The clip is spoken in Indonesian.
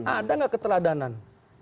ada gak keteladanan